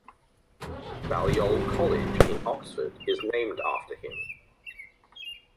Balliol College, in Oxford, is named after him.